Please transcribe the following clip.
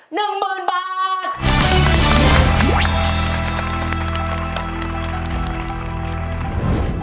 ๑หมื่นบาท